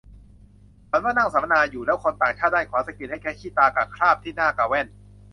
ฝันว่านั่งฟังสัมมนาอยู่ แล้วคนต่างชาติด้านขวา สะกิดให้แคะขี้ตากะคราบที่หน้ากะแว่น